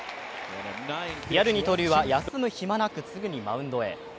リアル二刀流は休むひまなくすぐにマウンドへ。